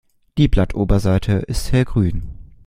Die Blattoberseite ist hellgrün.